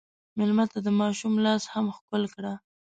مېلمه ته د ماشوم لاس هم ښکل کړه.